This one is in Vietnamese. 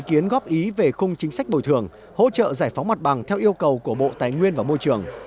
các bộ ngành có ý kiến góp ý về khung chính sách bồi thường hỗ trợ giải phóng mặt bằng theo yêu cầu của bộ tài nguyên và môi trường